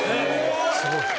すごい！